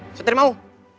saya terima wak